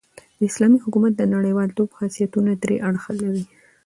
د اسلامي حکومت د نړۍوالتوب خاصیتونه درې اړخه لري.